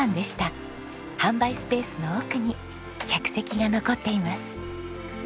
販売スペースの奥に客席が残っています。